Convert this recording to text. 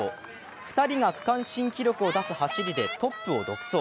２人が区間新記録を出す走りでトップを独走。